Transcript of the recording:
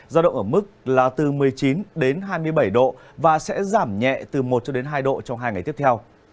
giao động ở mức là từ một mươi chín đến hai mươi bảy độ và sẽ giảm nhẹ từ một cho đến hai độ trong hai ngày tiếp theo